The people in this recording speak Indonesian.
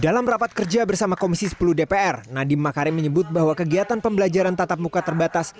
dalam rapat kerja bersama komisi sepuluh dpr nadiem makarim menyebut bahwa kegiatan pembelajaran tatap muka terbatas